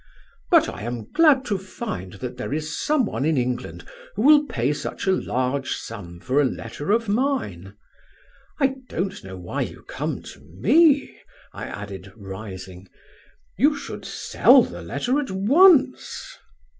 But I am glad to find that there is someone in England who will pay such a large sum for a letter of mine. I don't know why you come to me,' I added, rising, 'you should sell the letter at once.'